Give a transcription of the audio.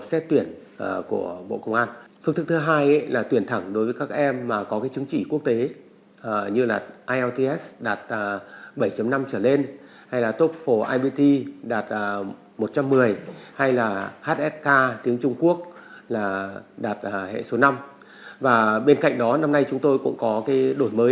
xét tuyển kết hợp chính trị quốc tế cho nhóm ngành nhiệm vụ an ninh